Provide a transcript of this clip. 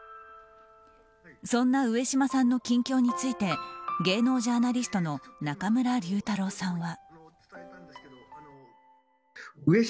そんな上島さんの近況について芸能ジャーナリストの中村竜太郎さんは。